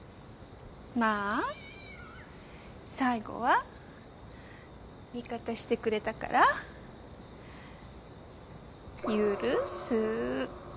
まあ最後は味方してくれたから許す。